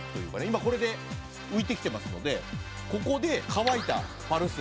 今これで浮いてきてますのでここで乾いたパルスイ。